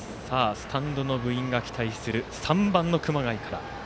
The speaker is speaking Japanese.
スタンドの部員が期待する３番の熊谷から。